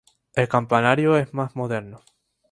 El campanario es más moderno.